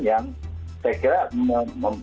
yang saya kira memungkinkan